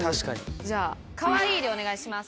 じゃあ「かわいい」でお願いします。